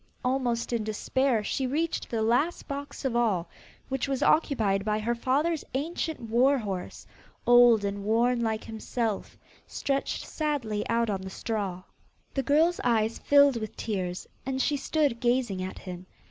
Almost in despair she reached the last box of all, which was occupied by her father's ancient war horse, old and worn like himself, stretched sadly out on the straw. The girl's eyes filled with tears, and she stood gazing at him.